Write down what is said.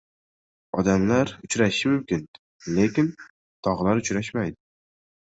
• Odamlar uchrashishi mumkin, lekin tog‘lar uchrashmaydi.